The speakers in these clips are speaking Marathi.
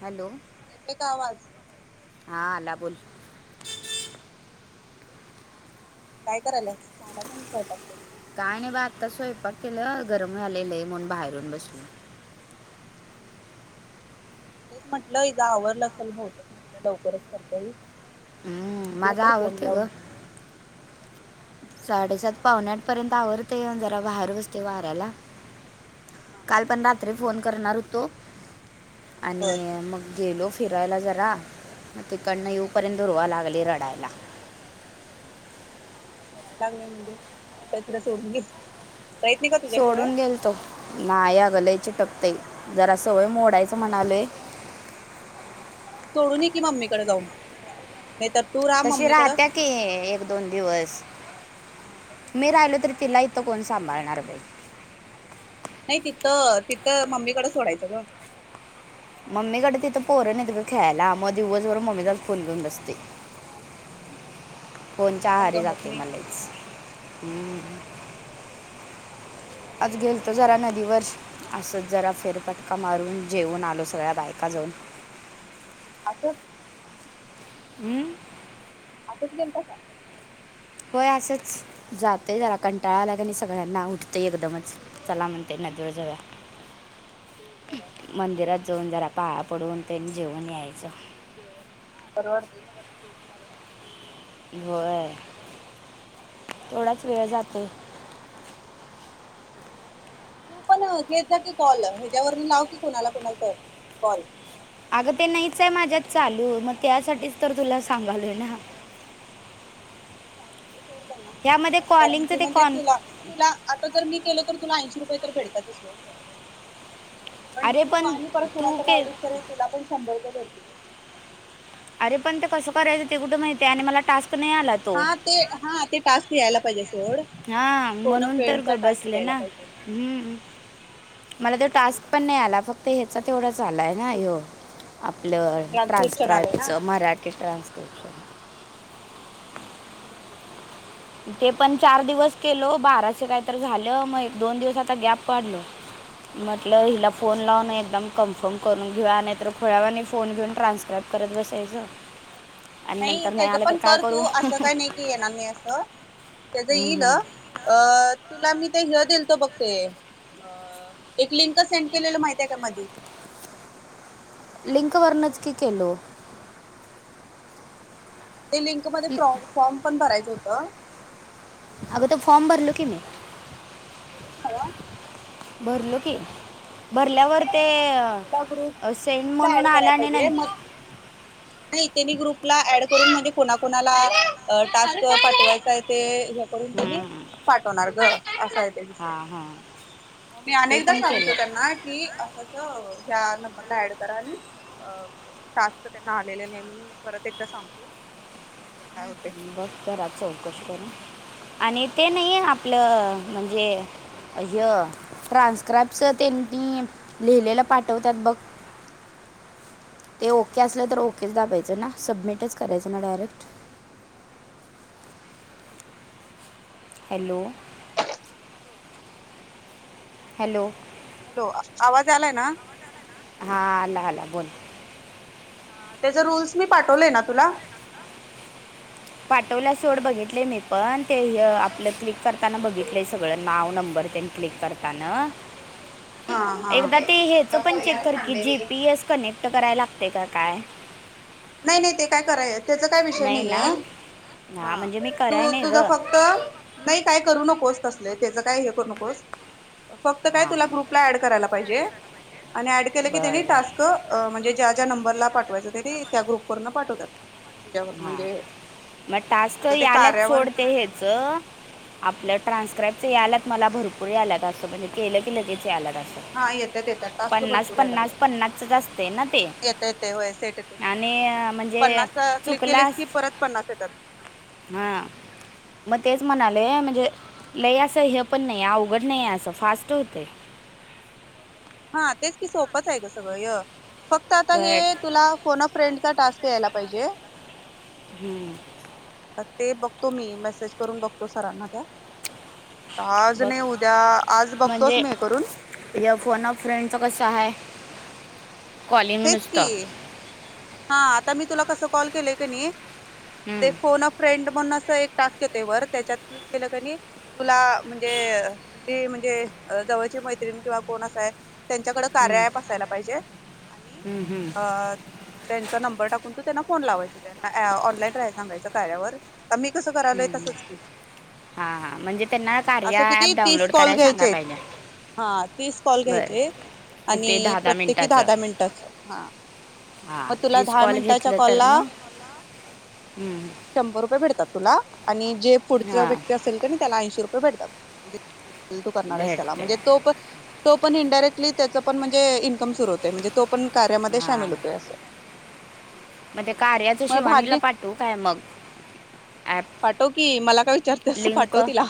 हॅलो एक आवाज हा अला बोल काय करायलास झाला नाही स्वयंकते? काय नाही बा आता स्वयंपाक केलं गरम झालेलंय म्हून बाहेरून बसल. तेच म्हटलं ह आवरलं असेल बहुतेक म्हटलं लवकरच करतई. हम्म, बघ माझं तर फोन आवडते ग लावून साडेसात पावन आठ पर्यंत आवरते येऊ जरा बाहेर बसते वाऱ्याला हा काल पण रात्री फोन करणार होतो बर आणि मग गेलो फिरायला जरा मग तिकडनं येऊपर्यंत ुरवा लागली रडायला. लढायलागले म्हणे कुठ तिला सोडून घेत. सोडून गेलतो नाही अगलाय चिटकते जरा सवय मोडायचं म्हणालय सोडू नय की मम्मीकडे जाऊन. म तर तूर तशी राहत्यांत ओ एक दोन दिवस हा मी राहिलो तरी तिला इथं कोण सांभाळणार नाही. नाही तिथं तिथं मम्मीकडे सोडायचं ना. मम्मीकडे तिथं पोरं नाही त खेळायला मग दिवसभर मम्मी जा फोन घेऊन बसते. हम्म [inaudible] फोनच्या आहारीे जाते मलाच हम्म. बरोबर. आज गेल तरो जरा नदीवर असत जरा फेरपट. का मारून जेवन आलो सगळ्या बायकाजऊन. असंच. हमं. असंच गेलता का? होय असंच जातय जरा कंटाळाआला आणि सगळ्यांना उठतंय एकदमच. चालम्हणते ना जोर जोया. राय [unintelligible] मंदिरात जाऊन जरा पाया पडून त्यांनी जेऊन यायचं. पाणवर्ती [unintelligible] बर थोडाच वेळ जातोय. होतं. तू पण घ्यायचा की कॉल ह्याच्यावरून लाव की कोणाला कोणाला तर कॉल. अगं ते नाहीच आहे माझ्यात चालू मग त्यासाठीच तर तुला सांगालोय ना. मी सांगते थोडत ना ह्यामध्ये कारण की कॉलिंगचं ते म्हणजे कॉन तुला. तुला आता जर मी केलं तर तुला ऐंशी रुपय तर भटताातच. पण अरे तू आणि परत कुणा तू तर के लावलीस तरी तुला पण शंभर रुपये भेटतील. अरे पण ते कसं करायचं ते कुठं माहिती आहे आणि मला टास्क नाही आलात. हा ते हा ते टास्क घ्यायला पाहिजे सोड. हा फोन अ म्हणून तर फ्रेंडचा ग टास्क बसले यायला ना पाहिजे हम्म. मला तो तेच टास्क तेच पण नाही बघतो की आला मी फक्त ह्याचा तेवढा झालाय ना यो. आपलं ट्रान्स्क्रिप्शन आलंय ट्रान्स्क्राईबच ना मराठी ट्रान्सक्रीप्शन. े [inaudible] ते पण चार दिवस केलो बाराच काहीत झालं मग एक दोन दिवस आता गॅप काढलो. [inaudible] म्हटलं हा हिला फोन लावून एकदम. कन्फर्म करून घ्या नाहीतर थोड्या वेळाने फोन घेऊन ट्रान्स्क्राॅब करत बसायचं. आणि नाही नंतर त्याचं आलं तर पण काय कर करू तू असं काही नाही की येणार नाही असं. त्याच येईल हम्म. अ तुला मी ते हे दिल तर बघते ते अ एक लिंक सेंड केली माहिती का मधी? लिंक हॅलो वर्णच की केलो. ते लिंक त्यामध्ये लि- ॉर्म पण भरायच होत. अ. अगं ते फॉर्म भरलो की मी भरलो की भरल्यावर ते मग तुला ग्रुप सेंट म्हणून आलं आणि नंत ह [inaudible] ते ग्रुपला ऍड करून म्हणजे कोणा कोणाला टास्क पाठवायचा आहे ते [unintelligible] [unintelligible] न तुम्ही पाठवणार ग असा हां हां ममी ते अनेकदा पण केलं सांगतो त्यांना की असं [unintelligible] हॅलो ह्या नंबरला ऍड करा आणि अ टास्क त्यांना आलेले नाही म्हणून, मी परत एकदा सांगतो बघ काय होते. बघ घरात चौकशी कर आणि ते नाहीे आपलं म्हणजे, अय ट्रान्स्क्रायपस त्यांनी लिहिलेला पाठवतात बघ. ते ओके असलं तर ओेच दाबायचं ना, सबमिटच करायचं ना, डायरेक्ट [inaudible] हॅलो हॅलो. हॅलो आवाज आलाय ना, हा आला आला बोल. त्याच रूल्स मी पाठवलेय ना, तुला पाठवला सोड बघितले मी पण ते हा यअआपलं क्लिक कर ताना बघितलं सगळं नाव नंबर त्यांनी क्लिक करताना, हा हा एकदा ते हेच पण चेक कर की जीपी एस कनेक्ट करायला लागते का काय? नाही, नाही, ते काय कराय त्याचा काय विषय नाही हे हा हां म्हणजे मी तू कराय नाही तुझ ग फक्त अ नाही काय करू नकोस तसले, त्याचं काय हे करू नकोस. फक्त काय हां तुला ग्रुपला ऍड करायला पाहिजे. आणि ऍड केलं की त्यानी बरं टास्क अ म्हणजे ज्या, ज्या, नंबरला पाठवायचं ते त्या ग्रुप वरन पाठवतात. तुझ्यावर हा म्हणजे मग टास्क तुझं ते याल्यात कार्यावर सोड ते हेच. आपलं ट्रान्स्क्राईबच यालात. मला भरपूर या आलात. असतं म्हणजे केलं की लगेच यालात असतं. हा येतात, येतात, टास्क भरपूर यायला लागलेत पन्नासच असते ना ते येत, येते, होय सेट ते पन्नास आणि अ, म्हणजे पन्नास अ क्लिक केलेस की परत पन्नास येतात. हा. मग तेच म्हणाले, म्हणजे लई असं हे पण नाही अवघड, नाही आहे असं फास्ट होत. हा तेच की सोपंच आहे ग सगळं य फक्त आता हे बट तुला फोन फ्रेंडचा टास्क यायला पाहिजे. हम्म. त ते बघतो मी मेसेज करून बघतो सरांना त्या. आज बघ नाही उद्या आज बघतोच मी हे करून. या फोन फ्रेंडच कस आहे कॉलिंग हेच नुसतं. की हा आता मी तुला कसं कॉल केलंय क नई ते हम्म, फोन अ फ्रेंड म्हणून असं एक टास्क येतोय, वर त्याच्यात क्लिक केलं कणी. तुला म्हणजे जी म्हणजे जवळची मैत्रिण किंवा कोण असा आहे त्यांच्याकड कार्या हम्म, अॅप असायला पाहिजे आणि हम्म, हम्म. अ त्यांचा नंबर टाकून तू त्यांना फोन लावायचा त्यांना अॅव ऑनलाईन राहायल सांगायचं कार्यावर. आ मी कसं करायला तसंच की. हा म्हणजे त्यांना असं कार्य किती ऍप तीस डाऊनलोड कॉल करायला सांगा घ्यायचेत पाहिजे. हा तीस कॉल बरं घ्यायचे आणि किती दहा प्रत्येकी दहा, मिनटाचं दहा, मिनिटाच हा. हां म तुला तीस दहा कॉल मिनिटाच्या घेतलं कॉल तर ला मग हम्म, शंभर रुपये भेडतात तुला आणि जे फुडच हां व्यक्ती असेल कनी त्याला ऐंशी रुपये भेटतात. तू करणार आहेस त्याला भेटते म्हणजे, तो पण तो पण इनडायरेक्टली त्याच पण म्हणजे इनकम सुरू होत. म्हणजे तो पण कार्यामध्ये शामील होतोय असं मते कार्याच मग शिवानीला भाग्य पाठू काय मग? ॲप पाठव की मला का विचारते असं पाठव लिंक तिला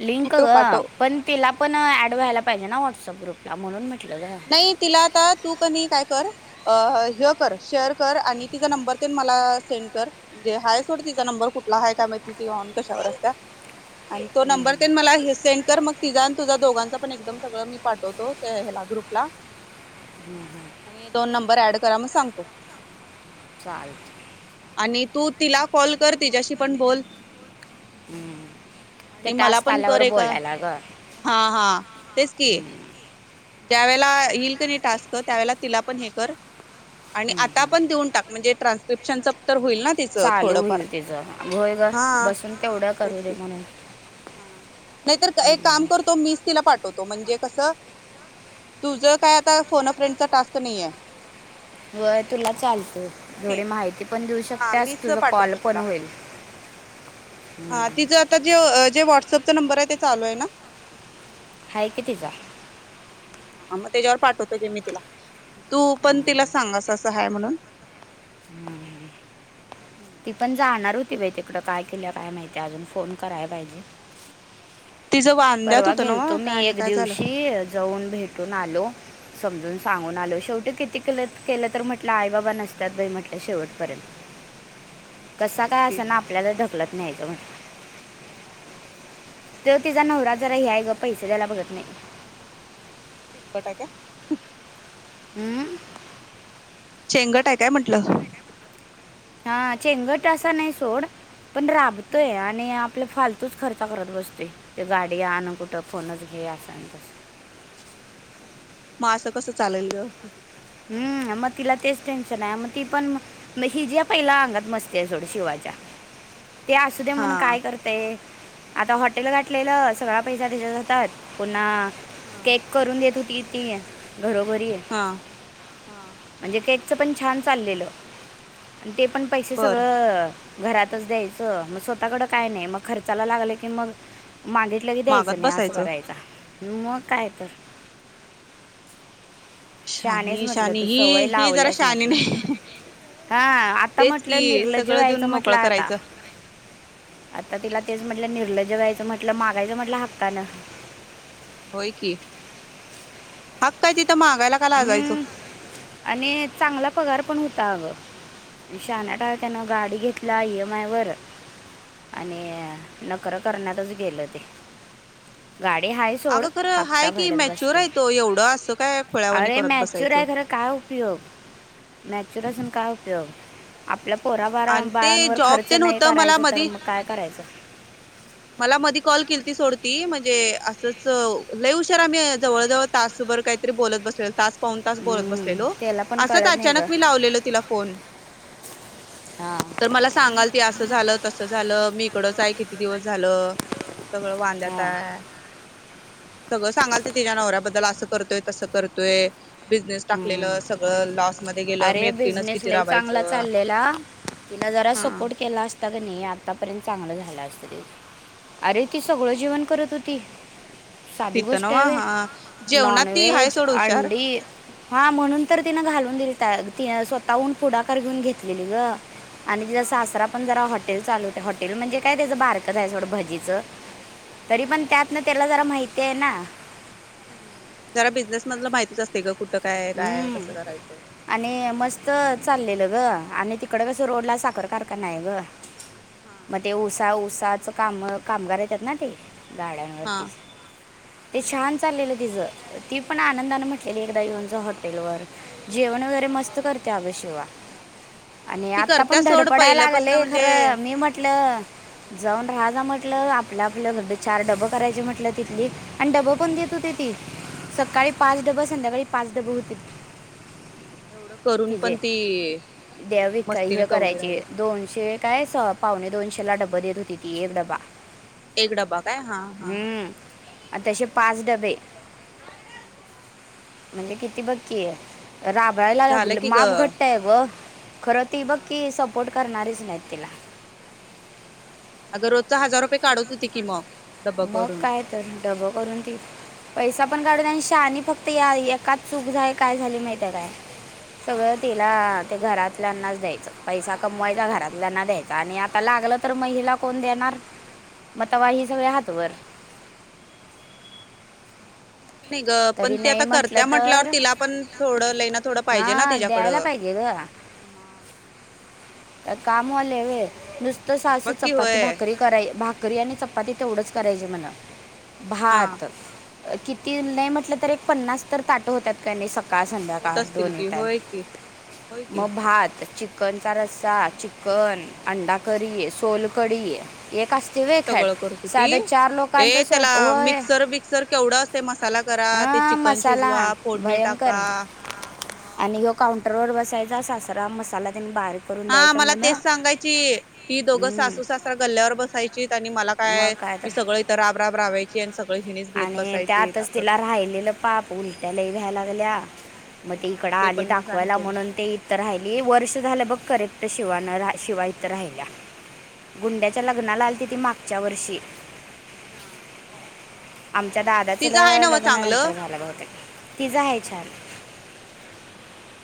लिंक ग पाठव, पण तिला पण ऍड व्हायला पाहिजे ना, व्हॉट्सअप ग्रुपला म्हणून म्हटलं ग नाही तिला आता तू कणी काय कर अ ह कर शेअर कर आणि तिचा नंबर तेन मला सेंड कर. म्हणजे हय सोड तिचा नंबर कुठला आहे काय माहिती ती ऑन कशावर असत्या. आणि तो नंबर तेन मला सेंड कर मग तिझा आणि तुझा दोघांचा पण एकदम सगळं मी पाठवतो हया ग्रुपला [unintelligible] आणि दोन नंबर ऍड करा मग सांगतो. चालेल. आणि तू तिला कॉल कर तिच्याशी पण बोल. हम्म. ते आणि मला टास्क पण आल्यावर करे का बोलायला ग हम्म. हा हा तेच कि ज्या वेळेला येईल का नाही टास्क त्यावेेळेला तिला पण हे कर आणि आता पण देऊन टाक म्हणजे ट्रान्स्क्रिप्शनच तर होईल ना तिचं चालू थोडंफार होईल त्याचं होय ग हा बसून तेवढ करू तेच दे की म्हणून हा नाहीतर एक काम करतो मीच तिला पाठ म्हणजे कस तुझ काय आता फोन अ फ्रेंडचा टास्क नाहीये होय तुला चालते हो नाही? थोडी माहिती पण देऊ हा शकतेस मीच तुझ कॉल पाठवतो पण तिला होईल. हम्म ताे जो जे व्हॉट्सअपचा नंबर आहे ते चालू आहे ना हाय कि ति जा ह मग त्याच्यावर पाठवतो गी मी तिला तू पण तिला सांगस असं हाय म्हणून हम् ती पण जाणार होती बाई तिकड काय केल्या काय माहितीय अजून फोन कराय पाहिजे. तिचं वा परवा गेलतो मी एक दिवशी जाऊन भेटून आलो. समजून सांगून हम्म. आलो शेवटी किती के केलं तर म्हटलं आई बाबा नसत्यात बाई म्हटलं शेवटपर्यंत [unintelligible] कसा काय की. असंना आपल्याला ढकलत न्यायचं म्हटलं [unintelligible] त्योव तिचा नवरा मग जरा काय हय आहे ग पैसे द्यायला बघत नाही. चिंगट आहे का? हम्म चेंगट आहे काय म्हटलं हा चेंगट असा नाही सोड पण राबतोय हम्म. आणि आपल फालतूच खर्च करत बसतोय ते गाडी आण कुठं फोनच घे असं आणि तस मग असं कसं चालेल ग हम्म मग तिला तेच टेन्शन आहे मग ती पण म हिज्या पहिल्या अंगात मस्ती आहे सोड शिवाच्या ते असू दया हा म्हणून काय करत. ते आता हॉटेल गाठलेलं सगळा पैसा त्याच्यात जातात पुन्हा हा केक करून देत होती ती ये घरोघरी आहे. हा हा म्हणजे केकच पण छान चाललेलं आणि ते पण पैसे बर सगळं घरातच द्यायचं मग स्वतःकड काय नाही मग खर्चाला लागलं की मग मागे मागलं की मागत द्यायचं नाही असं बसायचं. करायचा मग हम्म. काय तर शानेच शानी म्हटलं शानी तू ही सवय ही जरा लावल्यास शानी म्हटलं नाही हा आता तेच म्हटलं की निर्लज्ज सगळं देऊन व्हायचं म्हंटलं मोकळं आता करायचं. आता तिला तेच म्हटलं निर्लज्ज व्हायच म्हंटलं मागायचं म्हटलं हक्कान होय की हक काय तिथं मागायला का लाजायचं? हम्म आणि चांगला मग काय. पगार पण होता अगं हम्म शाहणा होता हम्म त्यान गाडी घेतला ई एम आय वर हम्म. आणि नखरं करण्यातच गेलं ते गाडी हायच अगं खरं हाय की मॅच्युअर आहे तो एवढं असं काय खुळ्यावानी अरे करत मॅच्युअर बसायचं. आहे खरं काय उपयोग मॅच्युअर असून काय उपयोग आपल्या पोरा बारा आणि ते बाळांवर जॉब खर्च तेन नाही होतं मला करायच तर मधी मग काय करायचं मला मधी कॉल केलती सोड ती म्हणजे असंच लई हुशर आम्ही जवळ जवळ तासभर काहीतरी बोलत बसलेलो तास पाऊण तास बोलत हम्म, बसलेलो त्याला पण असच कळत नाही ग अचानक मी लावलेलो तिला फोन हां तर मला सांगाल ती असं झालं तसं झालं मी इकडंच आहे किती दिवस झालं सगळं वांद्यात हां आहे. सगळं सांगाल ते तिच्या नवऱ्याबद्दल असं करतोय तसं करतोय बिझनेस हम्म. टाकलेलं सगळं लॉस मध्ये गेलं मी अरे एकटीनच किती रावायचं तिन जरा सपोर्ट केला असता का नाही आतापर्यंत चांगलं झालं असतं ते अरे ती सगळं जेवण करत होती साधी तिथं गोष्ट नव्ह आहेवे हा जेवणात नॉन ती हाय व्हेज सोड हुशार अंडी हा म्हणून तर हम्म तिनं घालून दिली ति स्वतःहून पुढाकार घेऊन घेतलेली ग आणि ति हा हा सासरा पण जरा हॉटेल चालूते हॉटेल म्हणजे काय त्याचं बारकच आहे सोडं भजीचं तरी हा पण त्यातन त्याला जरा माहिती आहे ना हम् जरा बिझनेस मधला माहितीच असते का कुठ काय कं हम्म. करायचं आणि मस्त चाललेलं ग आणि तिकड कसं हम्म रोड ला साखर कार का नाही ग हा मग ते उऊसा उऊसाच काम कामगार येतात ना ते गाड्यांवरती ते हम्म छान चाललेलं ति ज ती पण आनंदान म्हटलेली एकदा येऊनच हॉटेल वर जेवण वगर रे मस्त बर करते आवेशिवा आणि ती आता करत्या पण सोड धडपडाय पहिल्यापासन लागले म्हणजे खरं मी म्हटलं जाऊन राहा जा म्हटलं आपलं आपलं घर चार डबं करायची म्हटलं तिथली आणि डबं पण देत हम्म होते ती सकाळी पाच डब संध्याकाळी पाच डब होते एवढं करून पण तिजे ती द्या ही विक मस्तीने ह केवढी राहिली करायचे दोनशे काय सप पाहणे दोनशेला डब्बा देत होती ती एक ड्बा एक डबा काय हा हा हम्म तसे पाच डबे [unintelligible] म्हणजे किती बक्की आहे राबाळायला झालं लागल की ग माप घट्ट आहे व खरं ती बघ हा की सपोर्ट करणारीच नाही तिला अगं रोजचा हजार रुपये काढत होते की मग डब्बा मग कडून काय तर डबं हा करून त पैसा पण काढून आणि शानी फक्त या एकाच चूक झाय काय झाली माहिित काय सगळं हम्म तिला ते घरात नाच द्यायच पैसा कमवायचा घरातल्यांना द्यायचा आणि आता लागलं तर महिला कोण देणार मग नाहीच तेव्हा की ही सगळे होय हातवर हम् नाही ग पण तरी ती नाही आता म्हटलं करत्या म्हंटल्यावर तर तिला पण थोडं लईना थोडं पाहिजे ना हां तिच्याकडं द्यायला पाहिजे ग ह कामवाले व नुसतं सासू बघ की चपाती होय भाकरी कराय भाकरी आणि चपाती तेवढंच करायची मला हा भात किती हा नाही म्हटलं तर एक पन्नास तर ताट होतात काय नाही स काळ होत संध्याकाळ असतील दोन की मिटई होय की होय की मग भात च चिकनचा रस्सा चिकन अंडा हम्म. सोलकडी एक असते वखट सगळं करत होती साध्या चार लोकांच ए त्याला मिक्सर बिक्सर केवढा असते मसाला करा ते हां चिकन मसाला शिजवा फोडणी टाका मग काउंटरवरर बसायचा सासरा मसाला त्यांनी बाहेर हा मला तेच सांगायची की दोघं सासू सासरा गल्ल्यावर बसायची आणि मला मग काय मी तर सगळे इथ राब राब रावायची आणि सगळ हिनेच... आणि त्यातच तिला राहिलेलं.... पाप उलट्यालय व्हायला लागल्या मग ते इकड हा आले पण दाखवायला सांगितले म्हणून ते.... राहिली वर्ष झालं बघ करेक्ट शिवान शिवा इथं राहिल्या गुंड्या... च्या हम्म. लग्नाला आली त ती मागच्या वर्षी... हा आमच्या दादाचं ल तिचं आहे नव्ह चांगलं? लग्नानंतर झालेलं होते तिझं आहे छान... हम्म...